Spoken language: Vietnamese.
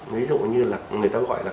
ví dụ như là người ta gọi là